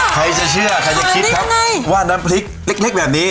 ใครจะเชื่อใครจะคิดครับว่าน้ำพริกเล็กแบบนี้